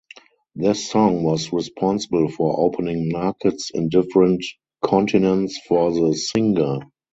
This song was responsible for opening markets in different continents for the singer.